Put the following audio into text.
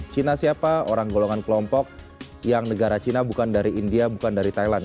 china siapa orang golongan kelompok yang negara cina bukan dari india bukan dari thailand